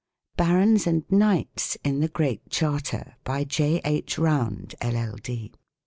BARONS" AND "KNIGHTS" IN THE GREAT CHARTER. J. H. ROUND, LL.D.